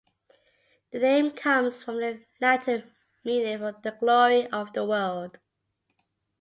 The name comes from the Latin meaning for "the glory of the world".